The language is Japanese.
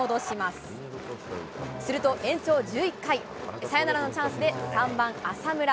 すると延長１１回、サヨナラのチャンスで、３番浅村。